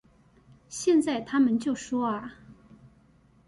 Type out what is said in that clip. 現在他們就說啊